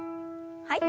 はい。